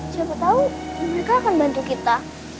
siapa tahu mereka akan bantu kita